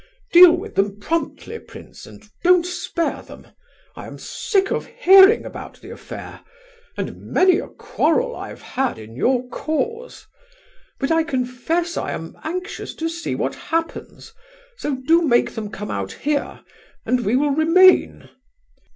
Deal with them promptly, prince, and don't spare them! I am sick of hearing about the affair, and many a quarrel I have had in your cause. But I confess I am anxious to see what happens, so do make them come out here, and we will remain.